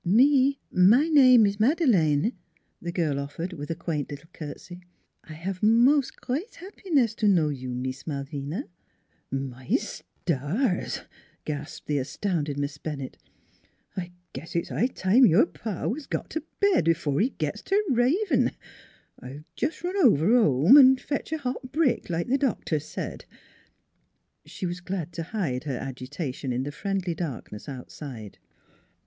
" Me, my name is Madeleine," the girl offered, with a quaint little curtsy. " I 'ave mos' g reat 'appiness to know you, Mees Malvina." " My stars !" gasped the astounded Miss Ben nett, " I guess it's high time your pa was got t' bed, b'fore he gits t' ravin'. I'll jes' run over home an' fetch a hot brick, like the doctor said." She was glad to hide her agitation in the friendly darkness outside.